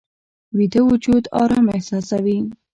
ویده وجود آرام احساسوي